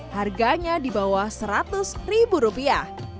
harganya di bawah seratus ribu rupiah